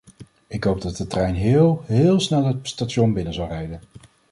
Ik hoop dat de trein heel, heel snel het station binnen zal rijden.